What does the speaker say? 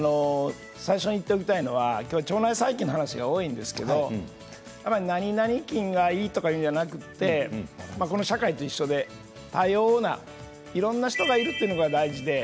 最初に言っておきたいのは腸内細菌の話が多いんですがなになに菌がいいとかいうのではなくて社会と一緒で多様な、いろんな人がいるということが大事です。